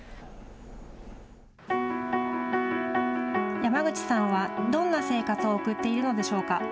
山口さんはどんな生活を送っているのでしょうか。